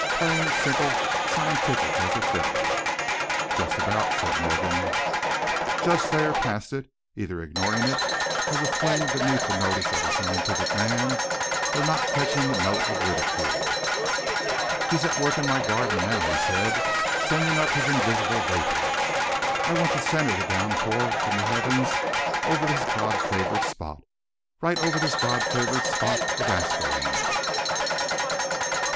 "Plain, simple, scientific as a fiddle." "Just about," said Morgan. Judge Thayer passed it, either ignoring it as a fling beneath the notice of a scientific man, or not catching the note of ridicule. "He's at work in my garden now," he said, "sending up his invisible vapors. I want to center the downpour from the heavens over this God favored spot, right over this God favored spot of Ascalon."